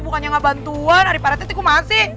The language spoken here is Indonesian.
bukannya gak bantuan adi parah teh tuh kumasih